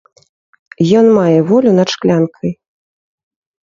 Ён мае волю над шклянкай.